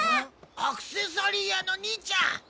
アクセサリー屋の兄ちゃん。